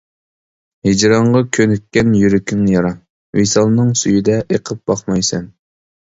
ھىجرانغا كۆنۈككەن يۈرىكىڭ يارا، ۋىسالنىڭ سۈيىدە ئېقىپ باقمايسەن.